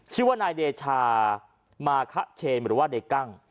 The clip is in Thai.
ชื่อว่านายเดชามาคะเชนหรือว่าในกั้ง